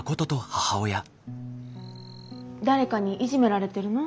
誰かにいじめられてるの？